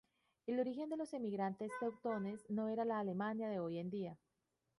El origen de los emigrantes teutones no era la Alemania de hoy en día.